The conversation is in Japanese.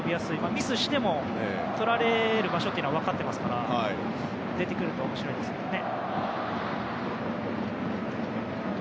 ミスしても、とられる場所は分かっていますから出てくると面白いですけどね。